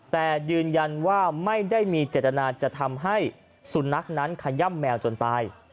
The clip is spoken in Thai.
แต่ยืนยันว่าไม่ได้มีเจตนาจะทำให้สุนัขนั้นขย่ำแมวจนตาย